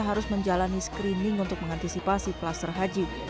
harus menjalani screening untuk mengantisipasi kluster haji